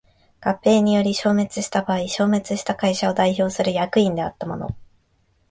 合併により消滅した場合消滅した会社を代表する役員であった者